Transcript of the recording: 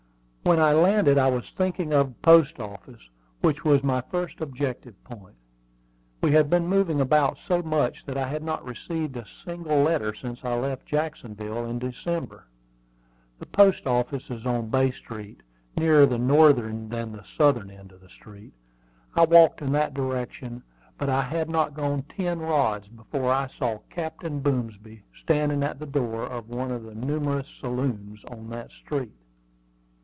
When I landed I was thinking of the post office, which was my first objective point. We had been moving about so much that I had not received a single letter since I left Jacksonville in December. The post office is on Bay Street, nearer the northern than the southern end of the street. I walked in that direction; but I had not gone ten rods before I saw Captain Boomsby standing at the door of one of the numerous saloons on that street.